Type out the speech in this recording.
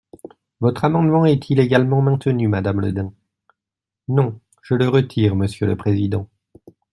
Votre amendement est-il également maintenu, madame Le Dain ? Non, je le retire, monsieur le président.